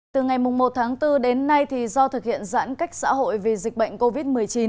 từ ngày một tháng bốn đến nay do thực hiện giãn cách xã hội vì dịch bệnh covid một mươi chín